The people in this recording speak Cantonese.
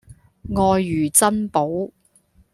愛如珍寶